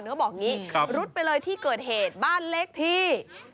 เขาบอกอย่างนี้รุดไปเลยที่เกิดเหตุบ้านเลขที่